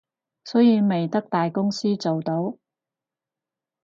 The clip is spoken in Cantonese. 所以咪得大公司做到